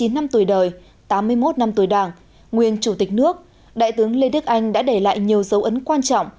chín mươi năm tuổi đời tám mươi một năm tuổi đảng nguyên chủ tịch nước đại tướng lê đức anh đã để lại nhiều dấu ấn quan trọng